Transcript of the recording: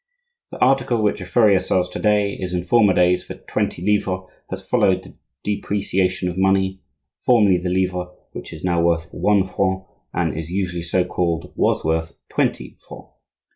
The article which a furrier sells to day, as in former days, for twenty livres has followed the depreciation of money: formerly the livre, which is now worth one franc and is usually so called, was worth twenty francs.